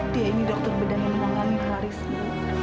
dia ini dokter bedah yang mengalami parisme